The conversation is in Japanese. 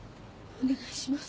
お願いします。